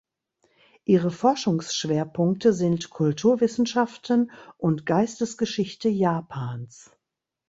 Ihre Forschungsschwerpunkte sind Kulturwissenschaften und Geistesgeschichte Japans.